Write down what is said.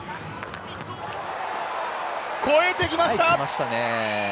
越えてきました！